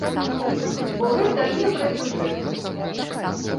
Бо гэта не пра сюжэт.